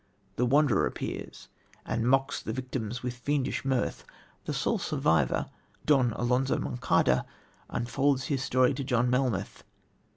The Wanderer appears, and mocks the victims with fiendish mirth. The sole survivor, Don Alonzo Monçada, unfolds his story to John Melmoth.